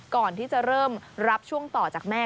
ก่อนที่จะเริ่มรับช่วงต่อจากแม่